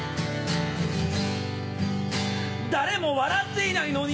誰も笑っていないのに